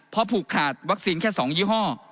เพราะผูกขาดวัคซีนแค่๒ยี่ห้อ